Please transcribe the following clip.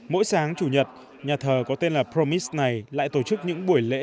mỗi sáng chủ nhật nhà thờ có tên là promis này lại tổ chức những buổi lễ